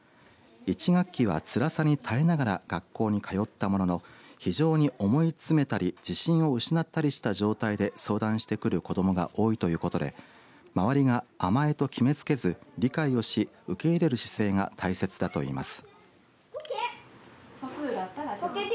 １学期は、つらさに耐えながら学校に通ったものの非常に思い詰めたり自信を失ったりした状態で相談してくる子どもが多いということで周りが甘えと決めつけず理解をし、受け入れる姿勢が大切だといいます。